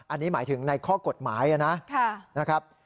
อันนี้หมายถึงในข้อกฎหมายนะครับ